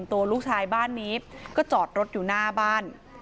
ตัวลูกชายบ้านนี้ก็จอดรถอยู่หน้าบ้าน